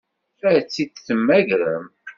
Ad tt-id-temmagrem?